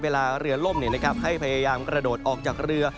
เวลาเรือล่มให้พยายามกระโดดออกจากเรือ